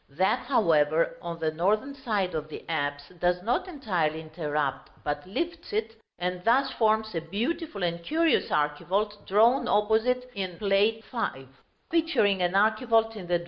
That, however, on the northern side of the apse does not entirely interrupt, but lifts it, and thus forms a beautiful and curious archivolt, drawn opposite, in Plate V.